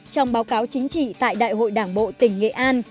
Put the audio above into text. trong báo cáo chính trị tại đại hội đảng bộ tỉnh nghệ an